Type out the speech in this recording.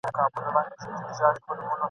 کله وخت کله ناوخته مي وهلی ..